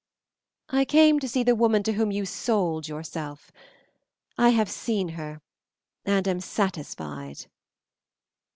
"I came to see the woman to whom you sold yourself. I have seen her, and am satisfied."